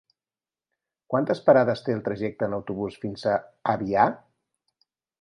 Quantes parades té el trajecte en autobús fins a Avià?